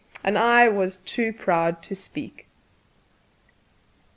And I was too proud to speak.